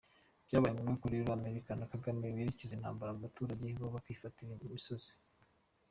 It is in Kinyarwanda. Byabaye ngombwa rero ko amerika na kagame berekeza intambara mu baturage, bo bakifatira imisozi.